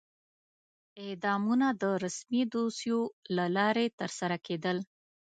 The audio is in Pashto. اعدامونه د رسمي دوسیو له لارې ترسره کېدل.